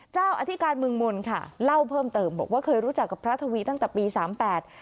อธิการเมืองมนต์ค่ะเล่าเพิ่มเติมบอกว่าเคยรู้จักกับพระทวีตั้งแต่ปีสามแปด